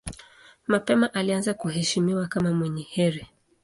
Mapema alianza kuheshimiwa kama mwenye heri.